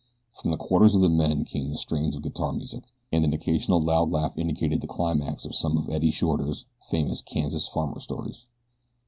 From the quarters of the men came the strains of guitar music, and an occasional loud laugh indicated the climax of some of Eddie Shorter's famous Kansas farmer stories.